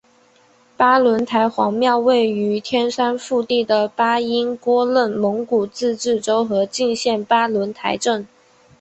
巴仑台黄庙位于天山腹地的巴音郭楞蒙古自治州和静县巴仑台镇。